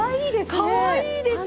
かわいいでしょ！